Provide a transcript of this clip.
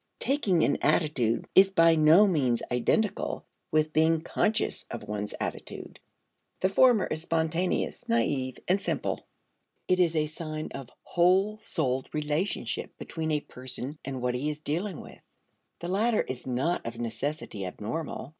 Taking an attitude is by no means identical with being conscious of one's attitude. The former is spontaneous, naive, and simple. It is a sign of whole souled relationship between a person and what he is dealing with. The latter is not of necessity abnormal.